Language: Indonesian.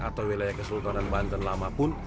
atau wilayah kesultanan banten lama pun